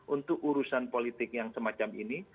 untuk urusan politik yang semacam ini